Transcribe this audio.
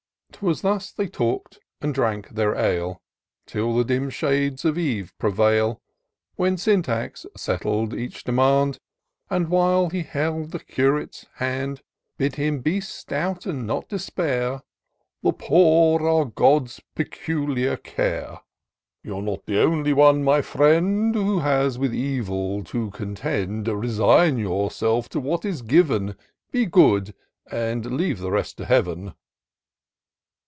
'Twas thus they talk'd and drank their ale. Till the dim shades of eve prevail. When Syntax settled each demand ; And, while he held the Curate's hand. Bid him be stout, and not despair. " The poor are God's peculiar care: IN SEARCH OF THE PICTURESQUE. 65 You're not the only one, my friend. Who has with evil to contend ! Resign yourself to what is given : Be good^ and leave the rest to Heaven.""